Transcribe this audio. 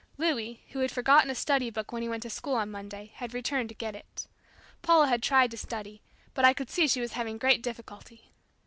Louis who had forgotten a study book when he went to school on Monday, had returned to get it. Paula had tried to study, but I could see she was having great difficulty.